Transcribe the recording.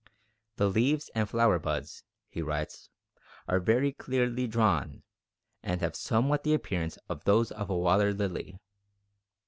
"The leaves and flower buds," he writes, "are very clearly drawn, and have somewhat the appearance of those of a water lily."